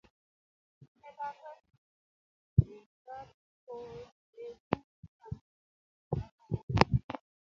tinyei lakwenyin ne chepto ne mekat ko leku konetindet ne kararan